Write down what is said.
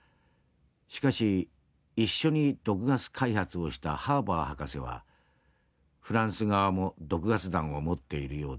しかし一緒に毒ガス開発をしたハーバー博士は『フランス側も毒ガス弾を持っているようだ。